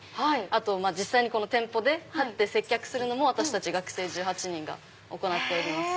あと実際にこの店舗で立って接客するのも私たち学生１８人が行っております。